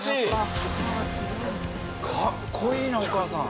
かっこいいなお母さん。